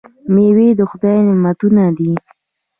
میوې د خدای نعمتونه دي.